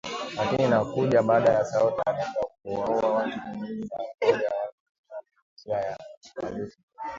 Lakini inakuja baada ya Saudi Arabia kuwaua watu themanini na moja waliopatikana na hatia ya uhalifu